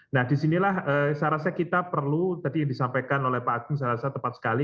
nah disinilah saya rasa kita perlu tadi yang disampaikan oleh pak agung saya rasa tepat sekali